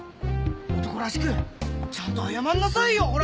男らしくちゃんと謝んなさいよほら！